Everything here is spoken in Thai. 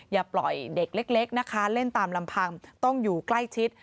อย่าปล่อยเด็กเล็กนะคะเล่นตามลำพังต้องอยู่ใกล้ชิด